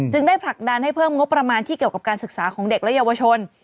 ได้ผลักดันให้เพิ่มงบประมาณที่เกี่ยวกับการศึกษาของเด็กและเยาวชน